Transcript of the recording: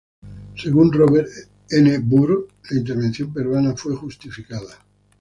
Según Robert N. Burr, la intervención peruana fue justificada.